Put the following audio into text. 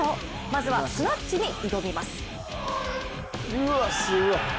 まずはスナッチに挑みます。